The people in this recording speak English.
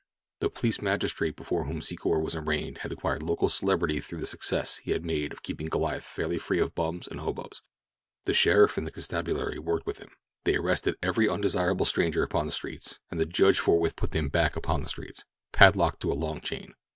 The police magistrate before whom Secor was arraigned had acquired local celebrity through the success he had made of keeping Goliath fairly free of bums and hoboes. The sheriff and the constabulary worked with him. They arrested every undesirable stranger upon the streets, and the judge forthwith put them back upon the streets, padlocked to a long chain.